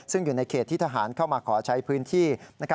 ซึ่งอยู่ในเขตที่ทหารเข้ามาขอใช้พื้นที่